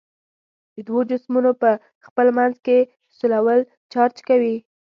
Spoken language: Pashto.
د دوو جسمونو په خپل منځ کې سولول چارج کوي.